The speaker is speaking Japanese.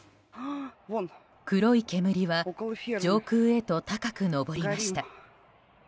黒い煙は上空へと高く上りました。